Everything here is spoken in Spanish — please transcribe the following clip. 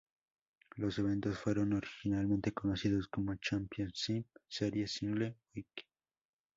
Los eventos fueron originalmente conocidos como "Championship Series, Single Week".